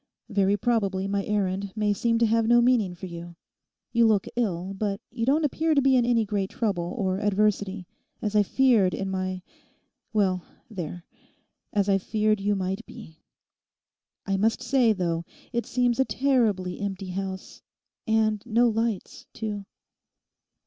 Very probably my errand may seem to have no meaning for you. You look ill, but you don't appear to be in any great trouble or adversity, as I feared in my—well, there—as I feared you might be. I must say, though, it seems a terribly empty house. And no lights, too!